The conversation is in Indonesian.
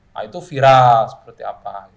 nah itu viral seperti apa